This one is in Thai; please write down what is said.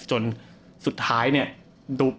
จนสุดท้ายเนี่ย